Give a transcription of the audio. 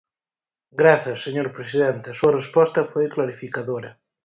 Grazas, señor presidente, a súa resposta foi clarificadora.